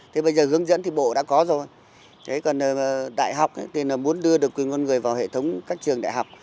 thế bây giờ hướng dẫn thì bộ đã có rồi đại học thì muốn đưa được quyền con người vào hệ thống các trường đại học